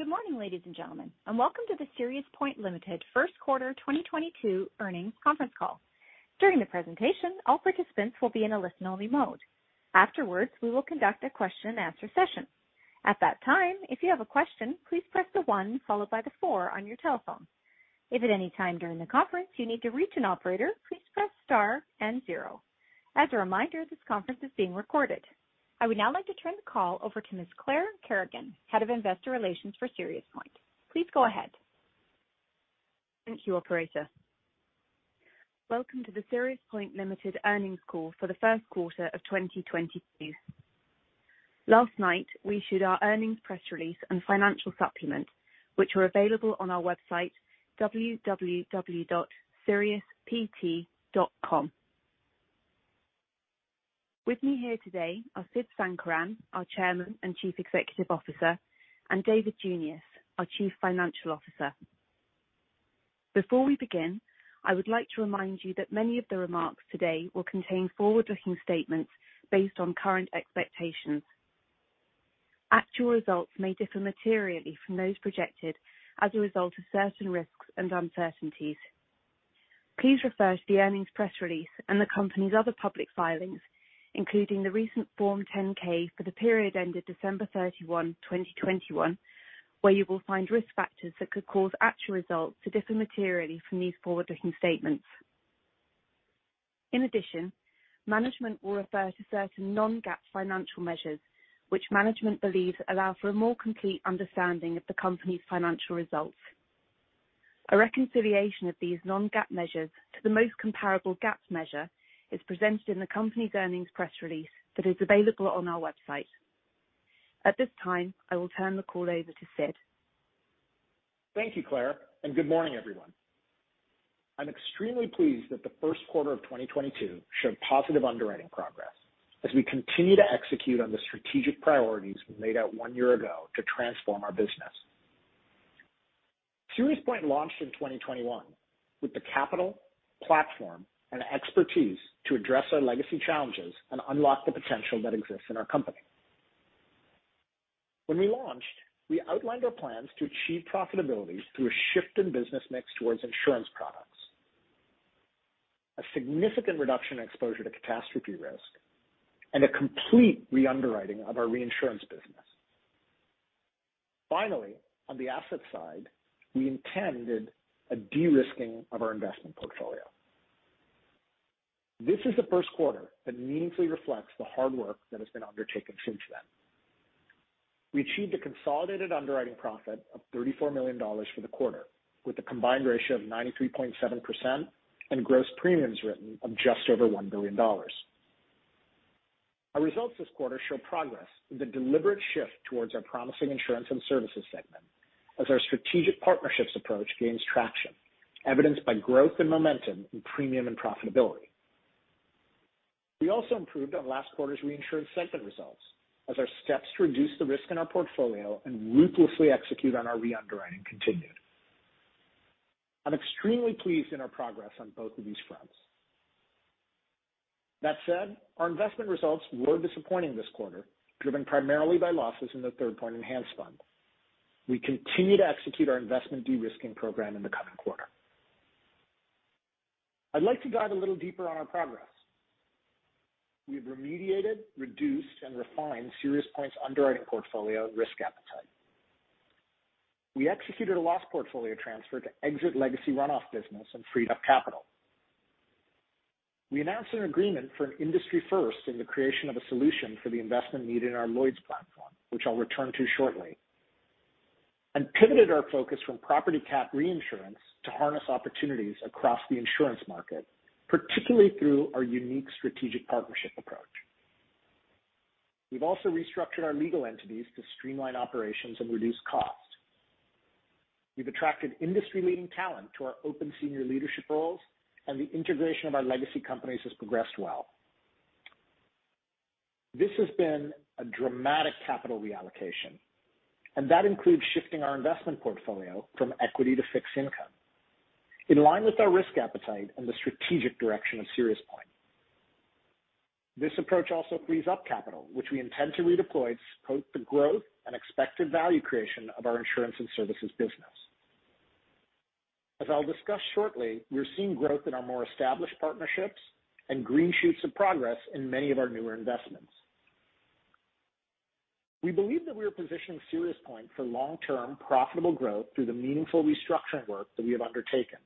Good morning, ladies and gentlemen, and Welcome to the SiriusPoint Ltd. First Quarter 2022 Earnings Conference Call. During the presentation, all participants will be in a listen-only mode. Afterwards, we will conduct a question and answer session. At that time, if you have a question, please press the one followed by the four on your telephone. If at any time during the conference you need to reach an operator, please press star and zero. As a reminder, this conference is being recorded. I would now like to turn the call over to Ms. Clare Kerrigan, Head of Investor Relations for SiriusPoint. Please go ahead. Thank you, operator. Welcome to the SiriusPoint Ltd. Earnings Call for The First Quarter of 2022. Last night, we issued our earnings press release and financial supplement, which are available on our website, www.siriuspt.com. With me here today are Sid Sankaran, our Chairman and Chief Executive Officer, and David Junius, our Chief Financial Officer. Before we begin, I would like to remind you that many of the remarks today will contain forward-looking statements based on current expectations. Actual results may differ materially from those projected as a result of certain risks and uncertainties. Please refer to the earnings press release and the company's other public filings, including the recent Form 10-K for the period ended December 31, 2021, where you will find risk factors that could cause actual results to differ materially from these forward-looking statements. In addition, management will refer to certain non-GAAP financial measures, which management believes allow for a more complete understanding of the company's financial results. A reconciliation of these non-GAAP measures to the most comparable GAAP measure is presented in the company's earnings press release that is available on our website. At this time, I will turn the call over to Sid. Thank you, Clare, and good morning, everyone. I'm extremely pleased that the first quarter of 2022 showed positive underwriting progress as we continue to execute on the strategic priorities we laid out one year ago to transform our business. SiriusPoint launched in 2021 with the capital, platform, and expertise to address our legacy challenges and unlock the potential that exists in our company. When we launched, we outlined our plans to achieve profitability through a shift in business mix towards insurance products, a significant reduction in exposure to catastrophe risk, and a complete re-underwriting of our Reinsurance business. Finally, on the asset side, we intended a de-risking of our investment portfolio. This is the first quarter that meaningfully reflects the hard work that has been undertaken since then. We achieved a consolidated underwriting profit of $34 million for the quarter, with a combined ratio of 93.7% and gross premiums written of just over $1 billion. Our results this quarter show progress with a deliberate shift towards our promising Insurance and Services segment as our strategic partnerships approach gains traction, evidenced by growth and momentum in premium and profitability. We also improved on last quarter's Reinsurance segment results as our steps to reduce the risk in our portfolio and ruthlessly execute on our re-underwriting continued. I'm extremely pleased with our progress on both of these fronts. That said, our investment results were disappointing this quarter, driven primarily by losses in the Third Point Enhanced LP. We continue to execute our investment de-risking program in the coming quarter. I'd like to dive a little deeper on our progress. We've remediated, reduced, and refined SiriusPoint's underwriting portfolio risk appetite. We executed a loss portfolio transfer to exit legacy runoff business and freed up capital. We announced an agreement for an industry first in the creation of a solution for the investment need in our Lloyd's platform, which I'll return to shortly, and pivoted our focus from property cat Reinsurance to harness opportunities across the insurance market, particularly through our unique strategic partnership approach. We've also restructured our legal entities to streamline operations and reduce costs. We've attracted industry-leading talent to our open senior leadership roles, and the integration of our legacy companies has progressed well. This has been a dramatic capital reallocation, and that includes shifting our investment portfolio from equity to fixed income in line with our risk appetite and the strategic direction of SiriusPoint. This approach also frees up capital, which we intend to redeploy to support the growth and expected value creation of our Insurance and Services business. As I'll discuss shortly, we're seeing growth in our more established partnerships and green shoots of progress in many of our newer investments. We believe that we are positioning SiriusPoint for long-term profitable growth through the meaningful restructuring work that we have undertaken.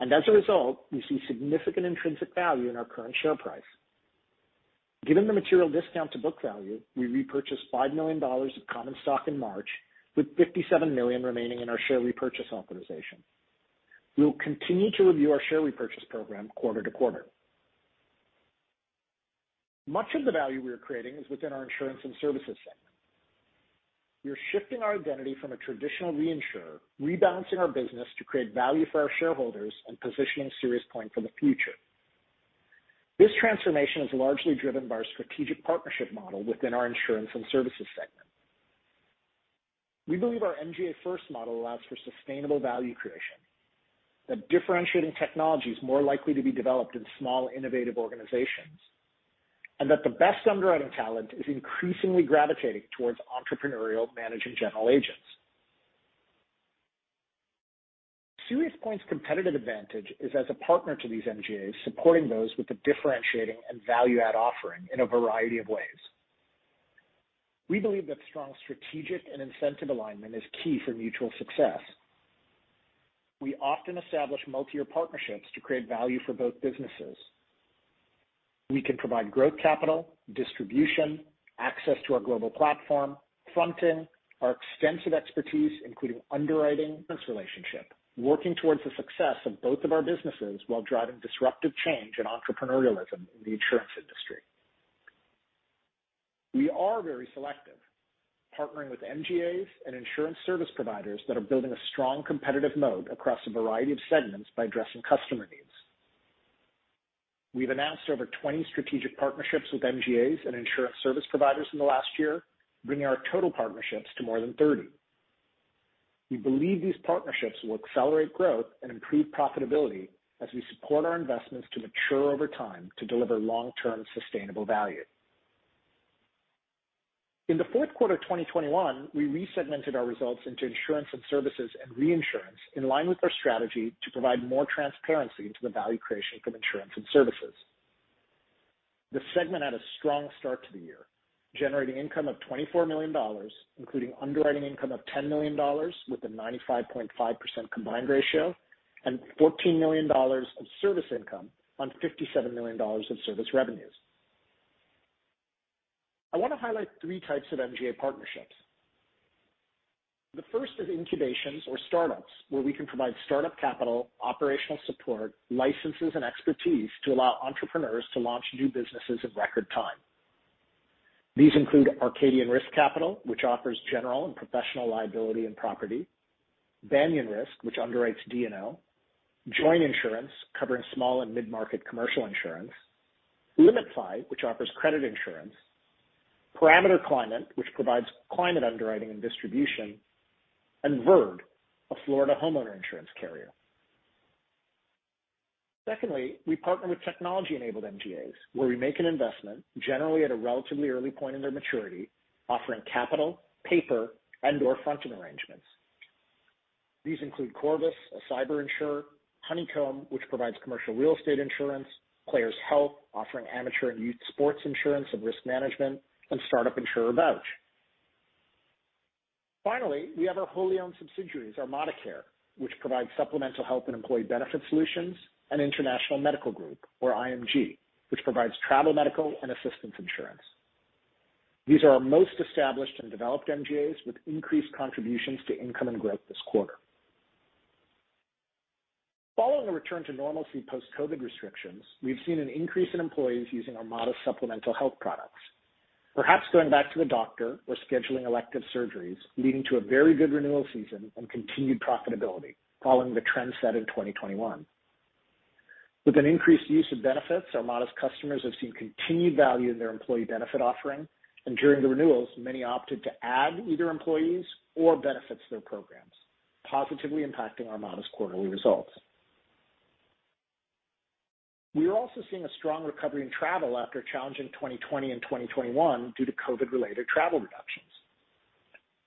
As a result, we see significant intrinsic value in our current share price. Given the material discount to book value, we repurchased $5 million of common stock in March, with $57 million remaining in our share repurchase authorization. We'll continue to review our share repurchase program quarter to quarter. Much of the value we are creating is within our Insurance and Services segment. We are shifting our identity from a traditional reinsurer, rebalancing our business to create value for our shareholders and positioning SiriusPoint for the future. This transformation is largely driven by our strategic partnership model within our Insurance and Services segment. We believe our MGA first model allows for sustainable value creation, that differentiating technology is more likely to be developed in small, innovative organizations, and that the best underwriting talent is increasingly gravitating towards entrepreneurial managing general agents. SiriusPoint's competitive advantage is as a partner to these MGAs, supporting those with a differentiating and value-add offering in a variety of ways. We believe that strong strategic and incentive alignment is key for mutual success. We often establish multi-year partnerships to create value for both businesses. We can provide growth capital, distribution, access to our global platform, fronting, our extensive expertise, including underwriting this relationship, working towards the success of both of our businesses while driving disruptive change and entrepreneurialism in the insurance industry. We are very selective, partnering with MGAs and insurance service providers that are building a strong competitive moat across a variety of segments by addressing customer needs. We've announced over 20 strategic partnerships with MGAs and insurance service providers in the last year, bringing our total partnerships to more than 30. We believe these partnerships will accelerate growth and improve profitability as we support our investments to mature over time to deliver long-term sustainable value. In the fourth quarter of 2021, we re-segmented our results into Insurance and Services and Reinsurance in line with our strategy to provide more transparency into the value creation from Insurance and Services. The segment had a strong start to the year, generating income of $24 million, including underwriting income of $10 million, with a 95.5% combined ratio, and $14 million of service income on $57 million of service revenues. I want to highlight three types of MGA partnerships. The first is incubations or startups, where we can provide startup capital, operational support, licenses, and expertise to allow entrepreneurs to launch new businesses in record time. These include Arcadian Risk Capital, which offers general and professional liability and property, Banyan Risk, which underwrites D&O, Join Insurance, covering small and mid-market commercial insurance, LimitFly, which offers credit insurance, Parameter Climate, which provides climate underwriting and distribution, and VYRD, a Florida homeowner insurance carrier. Secondly, we partner with technology-enabled MGAs, where we make an investment, generally at a relatively early point in their maturity, offering capital, paper, and/or fronting arrangements. These include Corvus, a cyber insurer, Honeycomb, which provides commercial real estate insurance, Players Health, offering amateur and youth sports insurance and risk management, and startup insurer Vouch. Finally, we have our wholly owned subsidiaries, ArmadaCare, which provides supplemental health and employee benefit solutions, and International Medical Group, or IMG, which provides travel medical and assistance insurance. These are our most established and developed MGAs with increased contributions to income and growth this quarter. Following a return to normalcy post-COVID restrictions, we've seen an increase in employees using ArmadaCare's supplemental health products, perhaps going back to the doctor or scheduling elective surgeries, leading to a very good renewal season and continued profitability following the trend set in 2021. With an increased use of benefits, Armada's customers have seen continued value in their employee benefit offering, and during the renewals, many opted to add either employees or benefits to their programs, positively impacting Armada's quarterly results. We are also seeing a strong recovery in travel after a challenging 2020 and 2021 due to COVID-related travel reductions.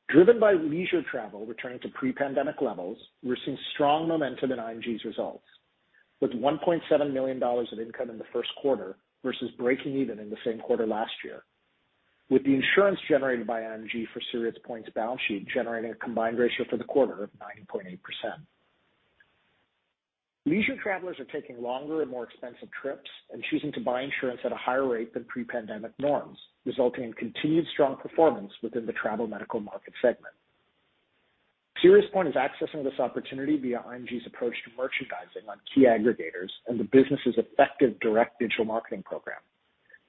Driven by leisure travel returning to pre-pandemic levels, we're seeing strong momentum in IMG's results, with $1.7 million of income in the first quarter vs breaking even in the same quarter last year, with the insurance generated by IMG for SiriusPoint's balance sheet generating a combined ratio for the quarter of 9.8%. Leisure travelers are taking longer and more expensive trips and choosing to buy insurance at a higher rate than pre-pandemic norms, resulting in continued strong performance within the Travel Medical Market segment. SiriusPoint is accessing this opportunity via IMG's approach to merchandising on key aggregators and the business's effective direct digital marketing program,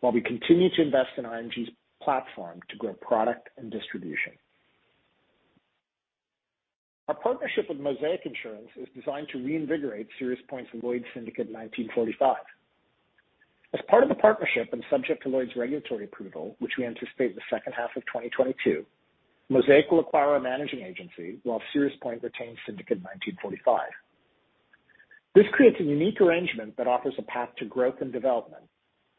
while we continue to invest in IMG's platform to grow product and distribution. Our partnership with Mosaic Insurance is designed to reinvigorate SiriusPoint's Lloyd's Syndicate 1945. As part of the partnership and subject to Lloyd's regulatory approval, which we anticipate in the second half of 2022, Mosaic will acquire a managing agency while SiriusPoint retains Syndicate 1945. This creates a unique arrangement that offers a path to growth and development,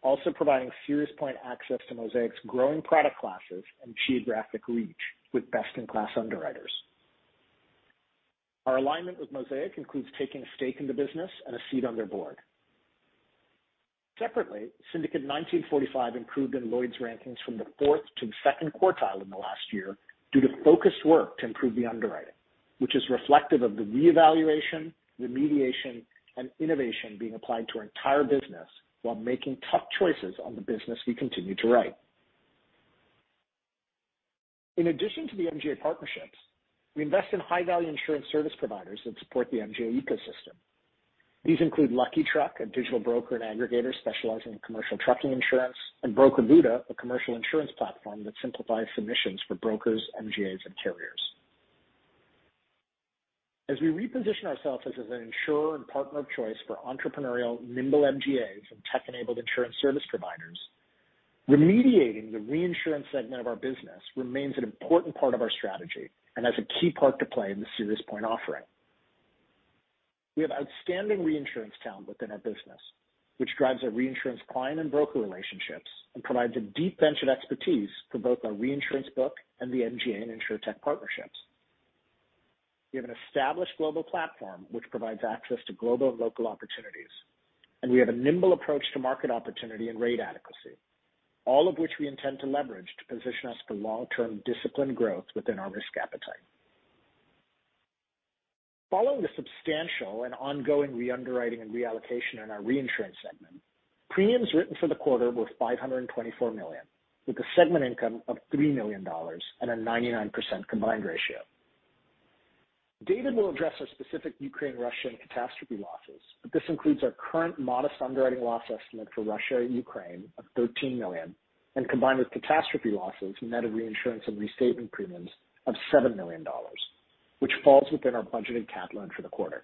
also providing SiriusPoint access to Mosaic's growing product classes and geographic reach with best-in-class underwriters. Our alignment with Mosaic includes taking a stake in the business and a seat on their board. Separately, Syndicate 1945 improved in Lloyd's rankings from the fourth to the second quartile in the last year due to focused work to improve the underwriting, which is reflective of the reevaluation, remediation, and innovation being applied to our entire business while making tough choices on the business we continue to write. In addition to the MGA partnerships, we invest in high-value insurance service providers that support the MGA ecosystem. These include Lucky Truck, a digital broker and aggregator specializing in commercial trucking insurance, and Broker Buddha, a commercial insurance platform that simplifies submissions for brokers, MGAs, and carriers. As we reposition ourselves as an insurer and partner of choice for entrepreneurial, nimble MGAs and tech-enabled insurance service providers, remediating the Reinsurance segment of our business remains an important part of our strategy and has a key part to play in the SiriusPoint offering. We have outstanding Reinsurance talent within our business, which drives our Reinsurance client and broker relationships and provides a deep bench of expertise for both our Reinsurance book and the MGA and InsurTech partnerships. We have an established global platform which provides access to global and local opportunities, and we have a nimble approach to market opportunity and rate adequacy, all of which we intend to leverage to position us for long-term disciplined growth within our risk appetite. Following the substantial and ongoing re-underwriting and reallocation in our Reinsurance segment, premiums written for the quarter were $524 million, with a segment income of $3 million and a 99% combined ratio. David will address our specific Ukraine-Russia and catastrophe losses, but this includes our current modest underwriting loss estimate for Russia/Ukraine of $13 million and combined with catastrophe losses, net of Reinsurance and reinstatement premiums of $7 million, which falls within our budgeted cat load for the quarter.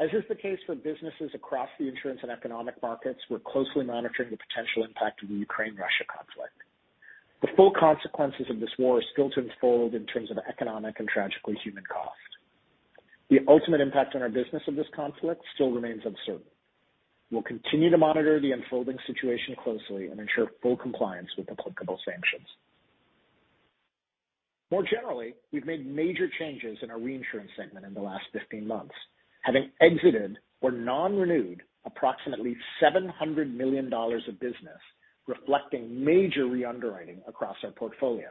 As is the case for businesses across the insurance and economic markets, we're closely monitoring the potential impact of the Ukraine-Russia conflict. The full consequences of this war are still to unfold in terms of economic and tragically human cost. The ultimate impact on our business of this conflict still remains uncertain. We'll continue to monitor the unfolding situation closely and ensure full compliance with applicable sanctions. More generally, we've made major changes in our Reinsurance segment in the last 15 months, having exited or non-renewed approximately $700 million of business, reflecting major re-underwriting across our portfolio.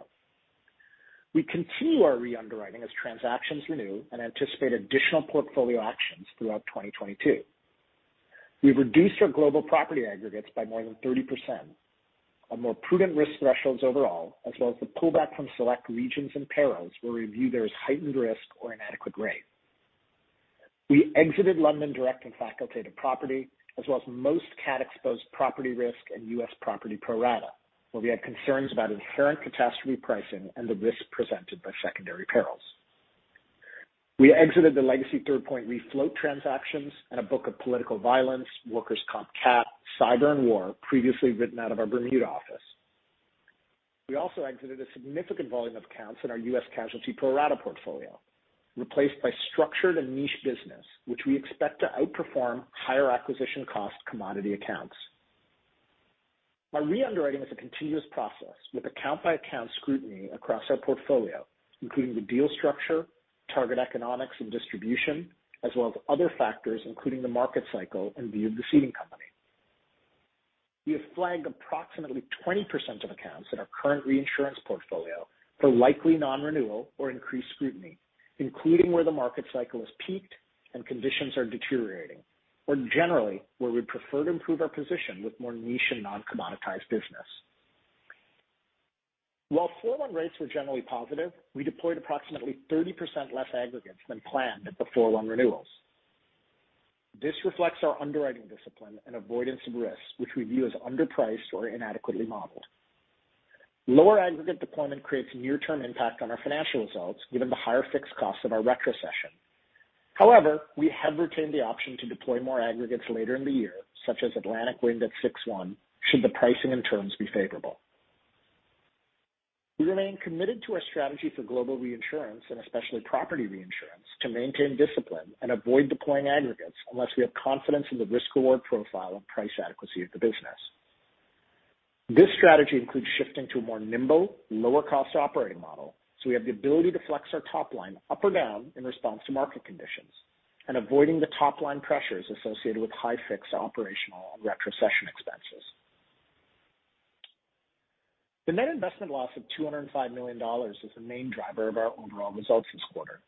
We continue our re-underwriting as transactions renew and anticipate additional portfolio actions throughout 2022. We've reduced our global property aggregates by more than 30% on more prudent risk thresholds overall, as well as the pullback from select regions and perils where we view there is heightened risk or inadequate rate. We exited London direct and facultative property, as well as most cat-exposed property risk and U.S. property pro rata, where we had concerns about inherent catastrophe pricing and the risk presented by secondary perils. We exited the legacy Third Point Re float transactions and a book of political violence, workers' comp cat, cyber, and war previously written out of our Bermuda office. We also exited a significant volume of accounts in our U.S. casualty pro rata portfolio, replaced by structured and niche business, which we expect to outperform higher acquisition cost commodity accounts. Our re-underwriting is a continuous process with account-by-account scrutiny across our portfolio, including the deal structure, target economics, and distribution, as well as other factors, including the market cycle and view of the seeding company. We have flagged approximately 20% of accounts in our current Reinsurance portfolio for likely non-renewal or increased scrutiny, including where the market cycle has peaked and conditions are deteriorating, or generally where we prefer to improve our position with more niche and non-commoditized business. While 4/1 rates were generally positive, we deployed approximately 30% less aggregates than planned at the 4/1 renewals. This reflects our underwriting discipline and avoidance of risks which we view as underpriced or inadequately modeled. Lower aggregate deployment creates near-term impact on our financial results, given the higher fixed costs of our retrocession. However, we have retained the option to deploy more aggregates later in the year, such as Atlantic wind at 61, should the pricing and terms be favorable. We remain committed to our strategy for Global Reinsurance and especially Property Reinsurance, to maintain discipline and avoid deploying aggregates unless we have confidence in the risk-reward profile and price adequacy of the business. This strategy includes shifting to a more nimble, lower cost operating model, so we have the ability to flex our top line up or down in response to market conditions and avoiding the top-line pressures associated with high fixed operational and retrocession expenses. The net investment loss of $205 million is the main driver of our overall results this quarter.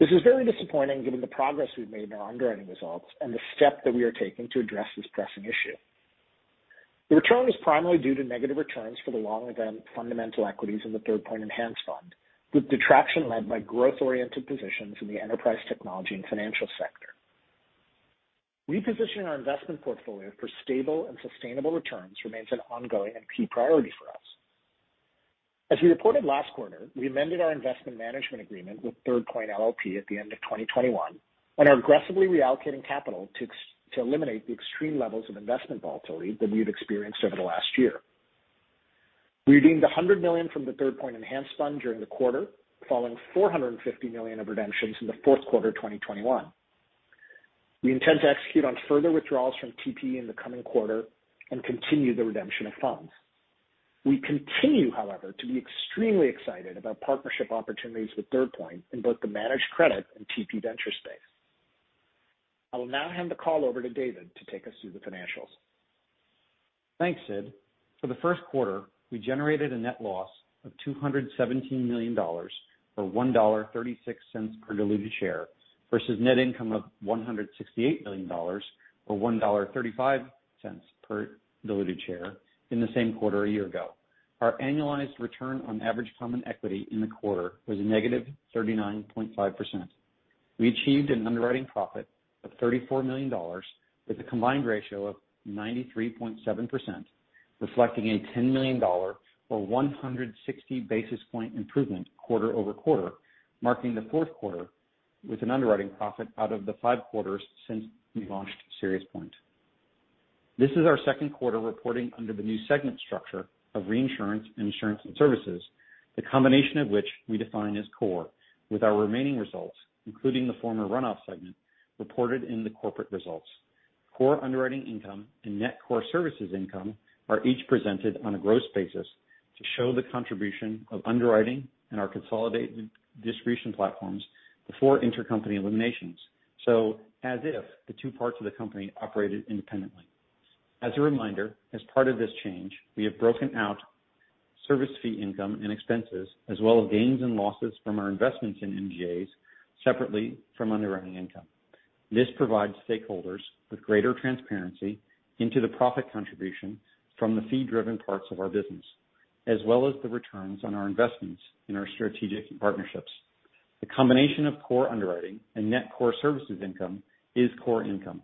This is very disappointing given the progress we've made in our underwriting results and the step that we are taking to address this pressing issue. The return was primarily due to negative returns for the long event fundamental equities in the Third Point Enhanced Fund, with detraction led by growth-oriented positions in the enterprise, technology, and financial sector. Repositioning our investment portfolio for stable and sustainable returns remains an ongoing and key priority for us. As we reported last quarter, we amended our investment management agreement with Third Point LLC at the end of 2021 and are aggressively reallocating capital to eliminate the extreme levels of investment volatility that we have experienced over the last year. We redeemed $100 million from the Third Point Enhanced Fund during the quarter, following $450 million of redemptions in the fourth quarter of 2021. We intend to execute on further withdrawals from TPE in the coming quarter and continue the redemption of funds. We continue, however, to be extremely excited about partnership opportunities with Third Point in both the managed credit and TPE venture space. I will now hand the call over to David to take us through the financials. Thanks, Sid. For the first quarter, we generated a net loss of $217 million, or $1.36 per diluted share, vs net income of $168 million, or $1.35 per diluted share in the same quarter a year ago. Our annualized return on average common equity in the quarter was a -39.5%. We achieved an underwriting profit of $34 million with a combined ratio of 93.7%, reflecting a $10 million or 160 basis point improvement quarter over quarter, marking the fourth quarter with an underwriting profit out of the five quarters since we launched SiriusPoint. This is our second quarter reporting under the new segment structure of Reinsurance and Insurance and Services, the combination of which we define as core, with our remaining results, including the former run-off segment, reported in the corporate results. Core underwriting income and net core services income are each presented on a gross basis to show the contribution of underwriting and our consolidated distribution platforms before intercompany eliminations, so as if the two parts of the company operated independently. As a reminder, as part of this change, we have broken out service fee income and expenses, as well as gains and losses from our investments in MGAs separately from underwriting income. This provides stakeholders with greater transparency into the profit contribution from the fee-driven parts of our business, as well as the returns on our investments in our strategic partnerships. The combination of core underwriting and net core services income is core income.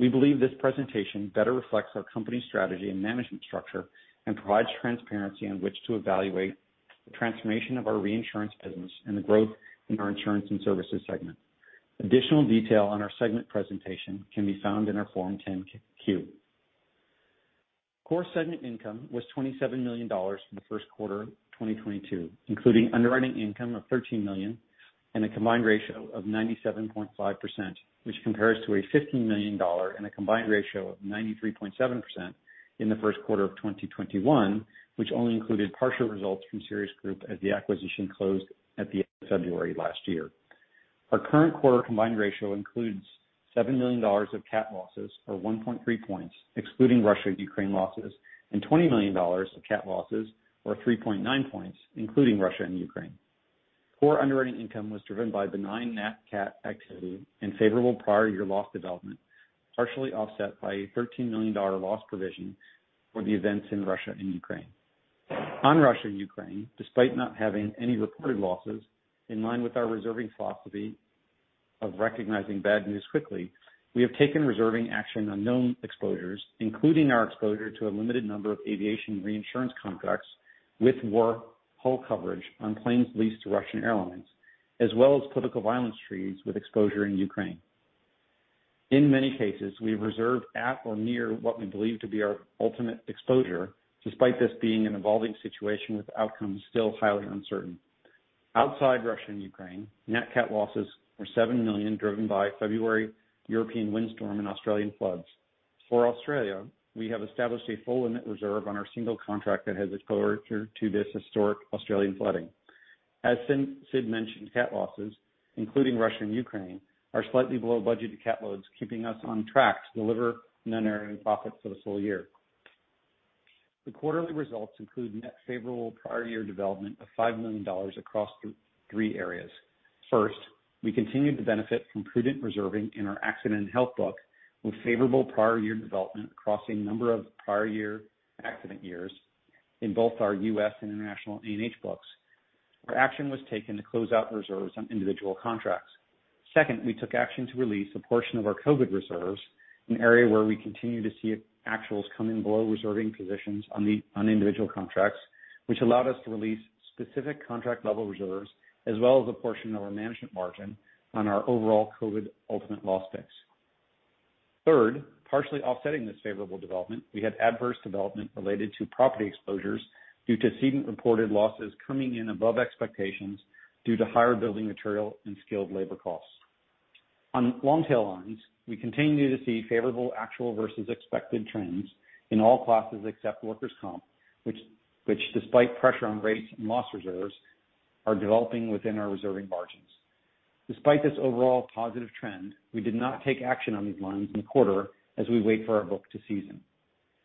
We believe this presentation better reflects our company's strategy and management structure and provides transparency on which to evaluate the transformation of our Reinsurance business and the growth in our Insurance and Services segment. Additional detail on our segment presentation can be found in our Form 10-Q. Core segment income was $27 million in the first quarter of 2022, including underwriting income of $13 million and a combined ratio of 97.5%, which compares to a $15 million and a combined ratio of 93.7% in the first quarter of 2021, which only included partial results from Sirius Group as the acquisition closed at the end of February last year. Our current quarter combined ratio includes $7 million of cat losses, or 1.3 points, excluding Russia and Ukraine losses, and $20 million of cat losses, or 3.9 points, including Russia and Ukraine. Core underwriting income was driven by benign net cat activity and favorable prior year loss development, partially offset by a $13 million loss provision for the events in Russia and Ukraine. On Russia and Ukraine, despite not having any reported losses, in line with our reserving philosophy of recognizing bad news quickly, we have taken reserving action on known exposures, including our exposure to a limited number of aviation Reinsurance contracts with war hull coverage on planes leased to Russian airlines, as well as political violence treaties with exposure in Ukraine. In many cases, we have reserved at or near what we believe to be our ultimate exposure, despite this being an evolving situation with outcomes still highly uncertain. Outside Russia and Ukraine, net cat losses were $7 million, driven by February European windstorm and Australian floods. For Australia, we have established a full limit reserve on our single contract that has exposure to this historic Australian flooding. As Sid mentioned, cat losses, including Russia and Ukraine, are slightly below budgeted cat loads, keeping us on track to deliver underwriting profits for this whole year. The quarterly results include net favorable prior year development of $5 million across three areas. First, we continued to benefit from prudent reserving in our Accident and Health book with favorable prior year development across a number of prior year accident years in both our U.S. and international A&H books, where action was taken to close out reserves on individual contracts. Second, we took action to release a portion of our COVID reserves, an area where we continue to see actuals coming below reserving positions on individual contracts, which allowed us to release specific contract level reserves as well as a portion of our management margin on our overall COVID ultimate loss pick. Third, partially offsetting this favorable development, we had adverse development related to property exposures due to seen and reported losses coming in above expectations due to higher building material and skilled labor costs. On long tail lines, we continue to see favorable actual vs expected trends in all classes except workers' comp, which despite pressure on rates and loss reserves, are developing within our reserving margins. Despite this overall positive trend, we did not take action on these lines in the quarter as we wait for our book to season.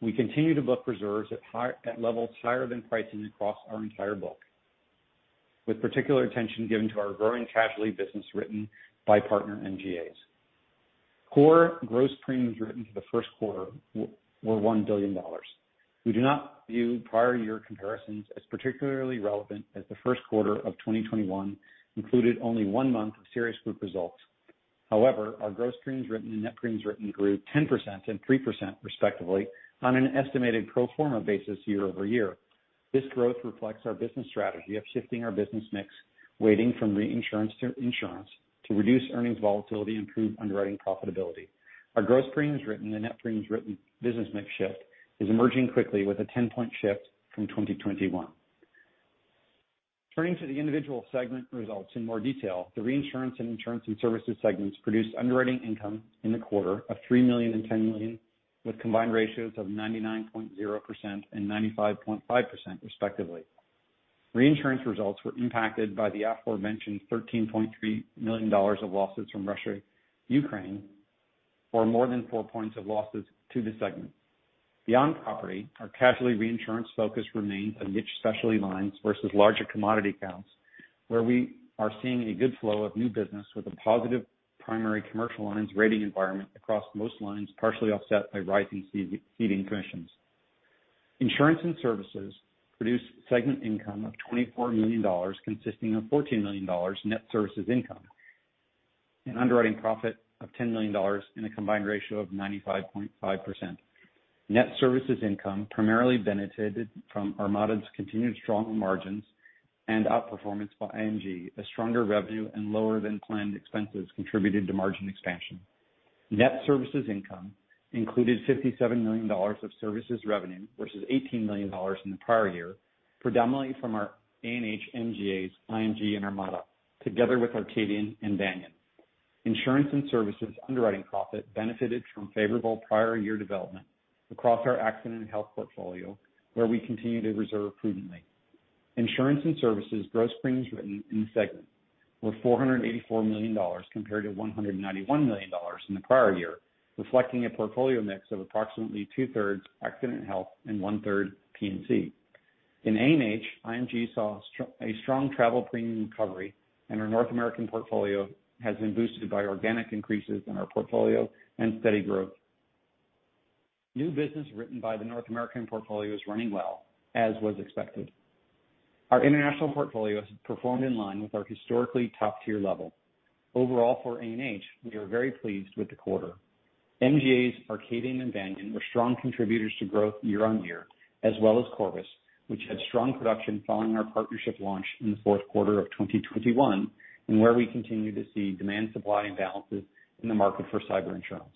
We continue to book reserves at levels higher than pricing across our entire book, with particular attention given to our growing casualty business written by partner MGAs. Core gross premiums written for the first quarter were $1 billion. We do not view prior year comparisons as particularly relevant as the first quarter of 2021 included only one month of Sirius Group results. However, our gross premiums written and net premiums written grew 10% and 3% respectively on an estimated pro forma basis year-over-year. This growth reflects our business strategy of shifting our business mix weighting from Reinsurance to Insurance to reduce earnings volatility and improve underwriting profitability. Our gross premiums written and net premiums written business mix shift is emerging quickly with a 10-point shift from 2021. Turning to the individual segment results in more detail, the Reinsurance and Insurance and Services segments produced underwriting income in the quarter of $3 million and $10 million, with combined ratios of 99.0% and 95.5% respectively. Reinsurance results were impacted by the aforementioned $13.3 million of losses from Russia/Ukraine, or more than 4 points of losses to the segment. Beyond Property, our Casualty Reinsurance focus remains on niche specialty lines vs larger commodity accounts, where we are seeing a good flow of new business with a positive primary commercial lines rating environment across most lines, partially offset by rising ceding commissions. Insurance and Services produced segment income of $24 million, consisting of $14 million net services income, an underwriting profit of $10 million, and a combined ratio of 95.5%. Net services income primarily benefited from Armada's continued strong margins and outperformance by IMG. A stronger revenue and lower than planned expenses contributed to margin expansion. Net services income included $57 million of services revenue vs $18 million in the prior year, predominantly from our A&H MGAs, IMG, and Armada, together with Arcadian and Banyan. Insurance and Services underwriting profit benefited from favorable prior year development across our Accident and Health portfolio, where we continue to reserve prudently. Insurance and Services gross premiums written in the segment were $484 million compared to $191 million in the prior year, reflecting a portfolio mix of approximately 2/3 accident health and 1/3 P&C. In A&H, IMG saw strong travel premium recovery, and our North American portfolio has been boosted by organic increases in our portfolio and steady growth. New business written by the North American portfolio is running well, as was expected. Our international portfolio has performed in line with our historically top-tier level. Overall, for A&H, we are very pleased with the quarter. MGAs Arcadian and Banyan were strong contributors to growth year-over-year, as well as Corvus, which had strong production following our partnership launch in the fourth quarter of 2021 and where we continue to see demand-supply imbalances in the market for cyber insurance.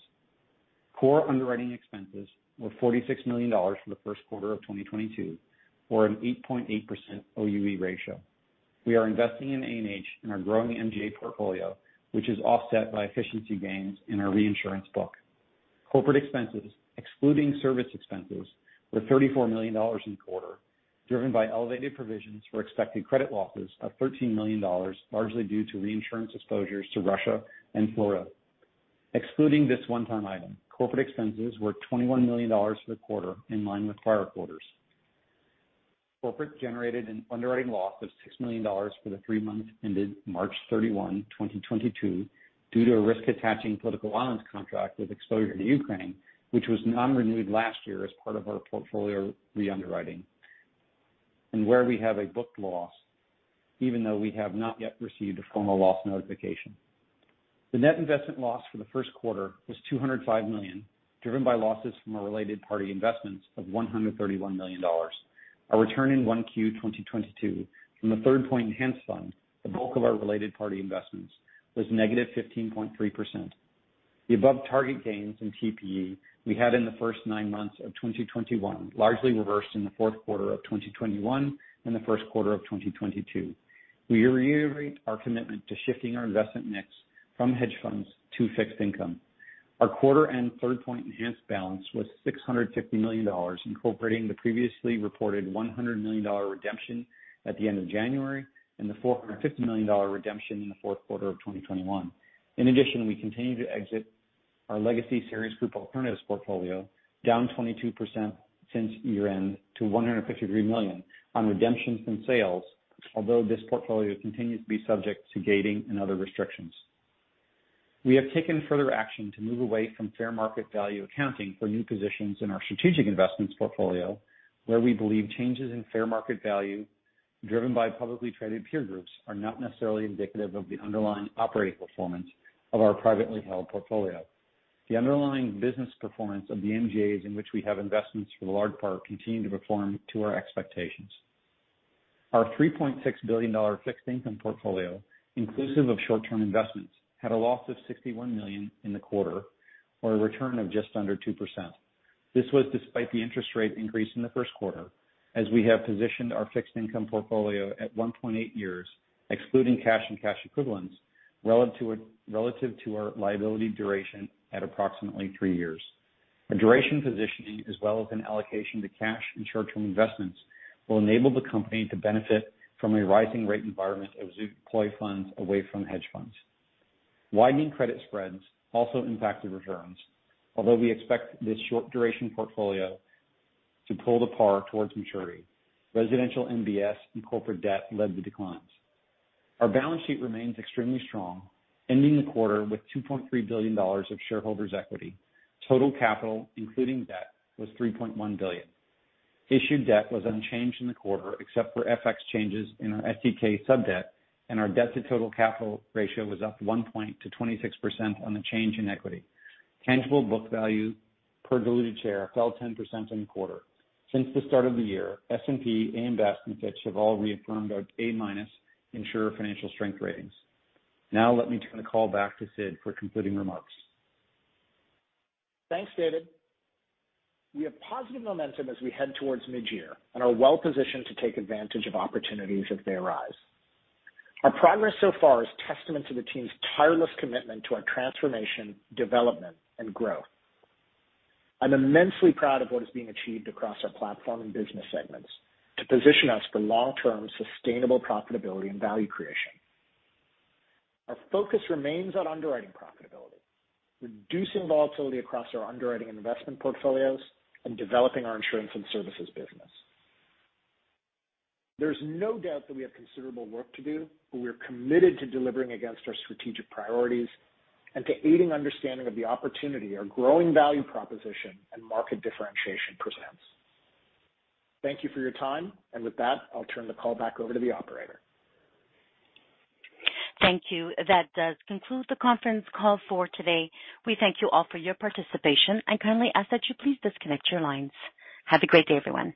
Core underwriting expenses were $46 million for the first quarter of 2022 or an 8.8% underwriting expense ratio. We are investing in A&H in our growing MGA portfolio, which is offset by efficiency gains in our Reinsurance book. Corporate expenses, excluding service expenses, were $34 million in the quarter, driven by elevated provisions for expected credit losses of $13 million, largely due to Reinsurance exposures to Russia and Florida. Excluding this one-time item, corporate expenses were $21 million for the quarter in line with prior quarters. Corporate generated an underwriting loss of $6 million for the three months ended March 31, 2022 due to a risk attaching political violence contract with exposure to Ukraine, which was non-renewed last year as part of our portfolio re-underwriting, and where we have a booked loss even though we have not yet received a formal loss notification. The net investment loss for the first quarter was $205 million, driven by losses from our related party investments of $131 million. Our return in 1Q 2022 from the Third Point Enhanced Fund, the bulk of our related party investments, was -15.3%. The above target gains in TPE we had in the first nine months of 2021 largely reversed in the fourth quarter of 2021 and the first quarter of 2022. We reiterate our commitment to shifting our investment mix from hedge funds to fixed income. Our quarter and Third Point Enhanced balance was $650 million, incorporating the previously reported $100 million redemption at the end of January and the $450 million redemption in the fourth quarter of 2021. In addition, we continue to exit our legacy Sirius Group alternatives portfolio, down 22% since year-end to $153 million on redemptions and sales, although this portfolio continues to be subject to gating and other restrictions. We have taken further action to move away from fair market value accounting for new positions in our strategic investments portfolio, where we believe changes in fair market value driven by publicly traded peer groups are not necessarily indicative of the underlying operating performance of our privately held portfolio. The underlying business performance of the MGAs in which we have investments for the large part continue to perform to our expectations. Our $3.6 billion fixed income portfolio, inclusive of short-term investments, had a loss of $61 million in the quarter, or a return of just under 2%. This was despite the interest rate increase in the first quarter, as we have positioned our fixed income portfolio at 1.8 years, excluding cash and cash equivalents relative to our liability duration at approximately three years. A duration positioning as well as an allocation to cash and short-term investments will enable the company to benefit from a rising rate environment as we deploy funds away from hedge funds. Widening credit spreads also impacted returns. Although we expect this short duration portfolio to pull the par towards maturity, residential MBS and corporate debt led the declines. Our balance sheet remains extremely strong, ending the quarter with $2.3 billion of shareholders' equity. Total capital, including debt, was $3.1 billion. Issued debt was unchanged in the quarter, except for FX changes in our SEK sub-debt, and our debt to total capital ratio was up 1 point to 26% on the change in equity. Tangible book value per diluted share fell 10% in the quarter. Since the start of the year, S&P, AM Best, and Fitch have all reaffirmed our A-insurer financial strength ratings. Now let me turn the call back to Sid for concluding remarks. Thanks, David. We have positive momentum as we head towards mid-year and are well positioned to take advantage of opportunities if they arise. Our progress so far is testament to the team's tireless commitment to our transformation, development, and growth. I'm immensely proud of what is being achieved across our platform and business segments to position us for long-term sustainable profitability and value creation. Our focus remains on underwriting profitability, reducing volatility across our underwriting investment portfolios, and developing our Insurance and Services business. There's no doubt that we have considerable work to do, but we are committed to delivering against our strategic priorities and to aiding understanding of the opportunity our growing value proposition and market differentiation presents. Thank you for your time. With that, I'll turn the call back over to the operator. Thank you. That does conclude the conference call for today. We thank you all for your participation and kindly ask that you please disconnect your lines. Have a great day, everyone.